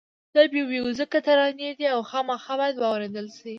دا بې میوزیکه ترانې دي او خامخا باید واورېدل شي.